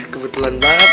kebetulan banget om